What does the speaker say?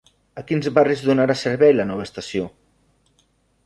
A quins barris donarà servei la nova estació?